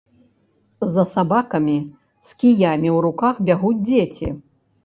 За сабакамі з кіямі ў руках бягуць дзеці.